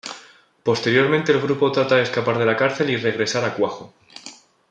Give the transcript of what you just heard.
Posteriormente el grupo trata de escapar de la cárcel y regresar a Quahog.